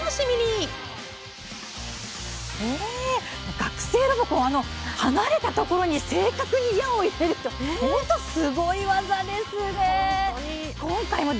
「学生ロボコン」離れたところから、正確に矢を入れる、本当にすごい技ですね。